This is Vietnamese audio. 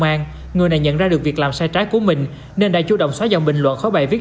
trình người này nhận ra được việc làm sai trái của mình nên đã chủ động xóa dòng bình luận khó bày viết